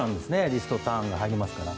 リストターンが入るので。